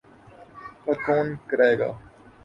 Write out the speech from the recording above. پر کون کرائے گا؟